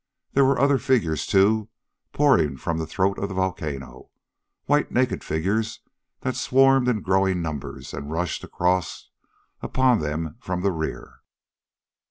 There were other figures, too, pouring from the throat of the volcano white, naked figures that swarmed in growing numbers and rushed across upon them from the rear.